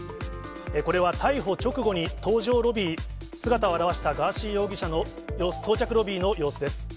これは逮捕直後に搭乗ロビー、姿を現したガーシー容疑者の到着ロビーの様子です。